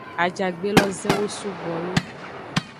Ajagbe lozenwo sugbo lo.